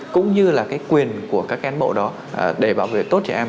cũng như là cái quyền của các cán bộ đó để bảo vệ tốt trẻ em